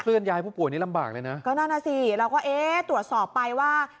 เลื่อนย้ายผู้ป่วยนี้ลำบากเลยนะก็นั่นน่ะสิเราก็เอ๊ะตรวจสอบไปว่า